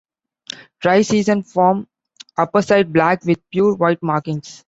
Dry-season form - Upperside black, with pure white markings.